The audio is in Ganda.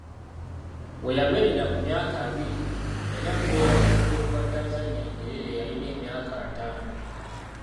We yabeerera mu myaka abiri, yali agoberera Pulezidenti wa Tanzania Nyerere eyalina emyaka ataano.